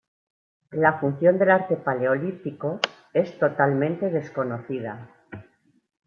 La función del arte paleolítico es totalmente desconocida.